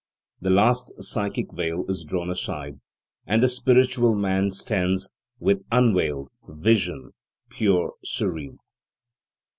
The last psychic veil is drawn aside, and the spiritual man stands with unveiled vision, pure serene.